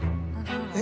え？